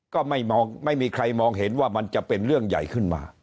ก็ไม่มีใครมองเห็นว่ามันจะเป็นเรื่องใหญ่ขึ้นมา